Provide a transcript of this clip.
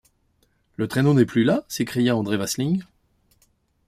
Le traîneau n’est plus là? s’écria André Vasling.